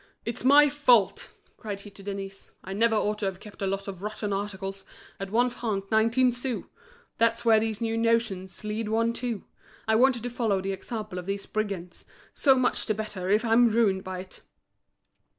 "It's my fault!" cried he to Denise. "I never ought to have kept a lot of rotten articles, at one franc nineteen sous! That's where these new notions lead one to. I wanted to follow the example of these brigands; so much the better if I'm ruined by it!"